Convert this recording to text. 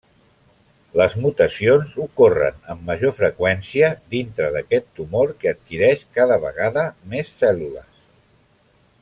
Les mutacions ocorren amb major freqüència dintre d'aquest tumor que adquireix cada vegada més cèl·lules.